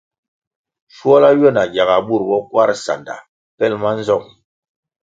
Shuala ywia na gyaga bur bo Kwarʼ sanda pelʼ ma nzong.